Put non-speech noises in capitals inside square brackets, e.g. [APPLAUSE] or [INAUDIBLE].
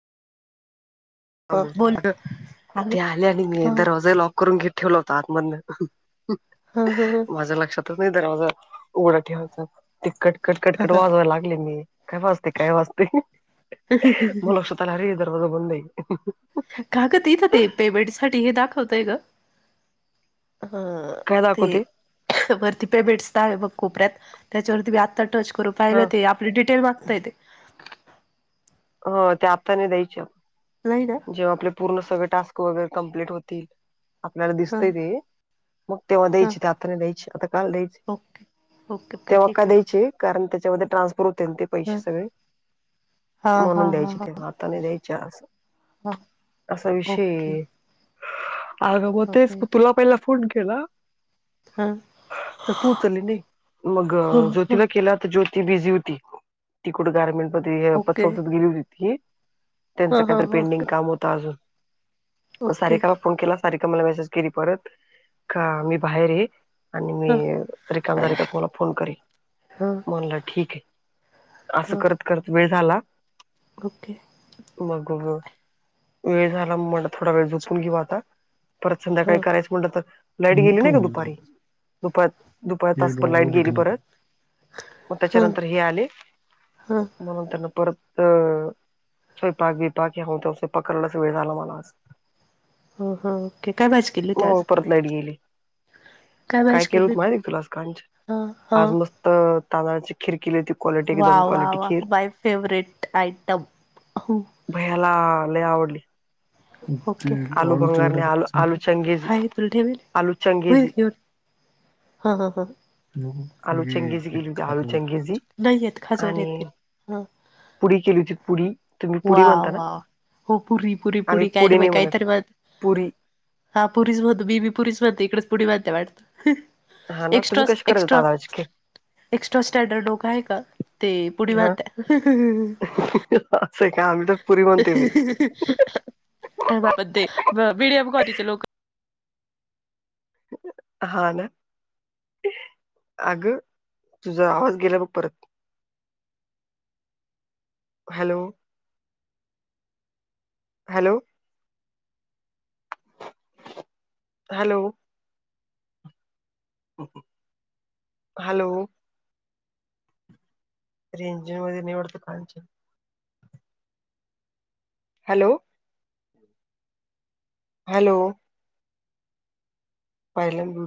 ह ह ते आले आणि मी दरवाज लॉक करून घेत ठेवलं होत आतमधन हम हम ह माझ्या लक्षातच नाही दरवाजा उघडा ठेवाचाात ते कटकट ह कटकट ह वाजवाय लागले मी, काय वाजते काय वाजते म लक्ष तर अरे दरवाजा बंद आय का ग तिथं ते पेमेंट साठी हे दाखवतय ग? हा काय ते दाखवते वरती पॅबेट्स त आहे बग कोपऱ्यात, त्याच्यावरती मी आता टच करू हा पाहिलं ते आपली डिटेल मागता ये ते हो त्या आता नई द्यायच्या नाही [UNINTELLIGIBLE] जेव्हा आपल पूर्ण सगळ टास्क वगैरे कंप्लीट होतील. आपल्याला ह दिसतय ते, मग तेव्हा ह द्यायची ते आता नई द्यायची आता काल द्यायची ओके ओके ते ठीक ये मग कारण त्याच्यामध्ये ट्रान्सफर होते न ते पैसे सगळे हा म्हणून हा द्यायचे ह तेव्हा आता नई द्यायच्या अस हा. असा ओके विषय, अग म तेच ओके तुला पहिला फोन केला. ह त तू उचल्लि नई, मग ह ज्योतीला केला त ज्यो ती बिझी होती, ती कुठं गारमेंट मध्ये ह्य पत ओके संस्थेत गेली होती ती त्यांच ह ह कायतर ह काम होत आजून, मग ओके सारिका फोन केला, सारिका मला मेसेज केली परत का मी बाहेर ये आणि मी ह रिकाम झाले का पुन्हा फोन करील ह म्हणलं ठीक ये असं ह करत करत वेळ झाला. ओके. मग व वेळ झाला म्हणलं थोडा वेळ झोपून घेऊ आता परत संध्याकाळी ह करायचं म्हणलं तर, लाईट गेली मोठ नाही का दुपारी एक दुपात दुपा तासभर डोळा लाईट उघडा गेली ठेवून परत मग ह त्याच्यानंतर अ हे आले हा मग नंतरन परत अ स्वयपाक बियपाक हे होत अस पकलाच वेळ झाला मला आज ह ह के काय भाजी केली होती हो आज? परत लाईट गेली काय भाजी केलं केली होत होती? माहिते तुला आज कांच ह आज ह मस् त तांदळाची खीर केली होती, क्वालिटी वा एकदम वा क्वालिटी वा खीर माय फेवरेट आयटम उहू भैयाला लई आवडली. आलु ते [INAUDIBLE] आलू आळूचे भंगार वडे नई काय आलू संपले? आलू चंगेजी, हाय तुला ठेवेल आलू चंगेजी ह ह हअ आलू चंगेजी केली होती आलू [UNINTELLIGIBLE] चंगेजी नाही येत खाजवले आणि ते ह पुडी केली होती पुरी तुमि पुरी म्हण अव्हा हो पुरी, पुरी, पुडी काय ते बई नाही म्हणत कायतरी पुरी [UNINTELLIGIBLE] हा पुरीच म्हणतो, मी बी पुरीच म्हणते, इकडेच पुडी म्हणता हा वाटत ना तुम्ही एक्स्ट्रच, कशी करता एक्स्ट्रा. तांदळाची खीर एक्स्ट्रा स्टँडर्ड लोक आहे का ते पुढे बध द्या. हह. काय आ्ही तर पुरी म्हणतोय बाई अ, ब ते,, बीडया पखोरीचे लोकं. [UNINTELLIGIBLE] हा ना आगं तुझा आवाज गेला बग परत हॅलो, हॅलो. हॅलो. [UNINTELLIGIBLE] हॅलो. त इंजिन वगैरे निवडतं कालच. हॅलो. हॅलो. पाहिला.